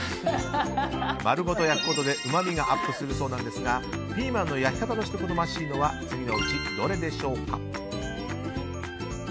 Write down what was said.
丸ごと焼くことで、うまみがアップするそうなんですがピーマンの焼き方として好ましいのは次のうちどれでしょうか？